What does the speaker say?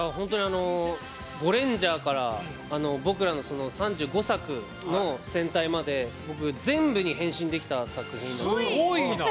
「ゴレンジャー」から僕らの３５作の戦隊まで全部に変身できた作品なので。